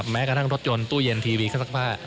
แม้กระทั่งรถยนต์ตู้เย็นทีวีเครื่องซักผ้า